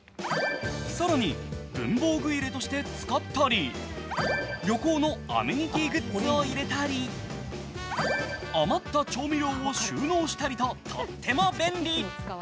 更に文房具入れとして使ったり旅行のアメニティーグッズを入れたり、余った調味料を収納したりととっても便利。